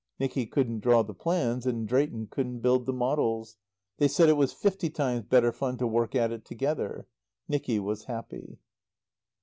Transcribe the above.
Nicky couldn't draw the plans and Drayton couldn't build the models. They said it was fifty times better fun to work at it together. Nicky was happy.